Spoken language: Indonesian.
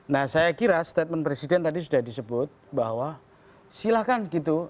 nah saya kira statement presiden tadi sudah disebut bahwa silahkan gitu